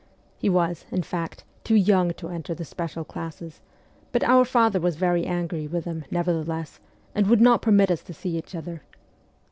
He was, in fact, too young to enter the special classes ; hut our father was very angry with him, nevertheless, and would not permit us to see each other.